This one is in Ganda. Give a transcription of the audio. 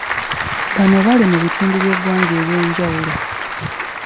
Bano Bali mu bitundu by'eggwanga eby'enjawulo